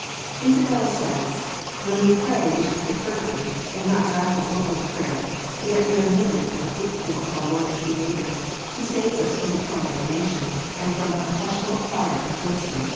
"Isabella says when we pray we should pray fervently, and not rattel over a prayer for that we are kneeling at the foot stool of our Lord and Creator, who saves us from eternal damnation, and from unquestionable fire and brimston."